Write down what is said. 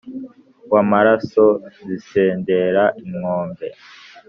w'amaraso zisendera inkombe